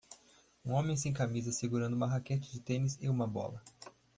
Um homem sem camisa, segurando uma raquete de tênis e uma bola.